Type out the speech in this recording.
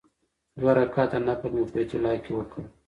دوه رکعاته نفل مې په بیت الله کې وکړ.